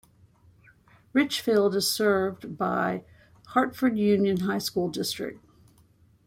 Richfield is served by Hartford Union High School district.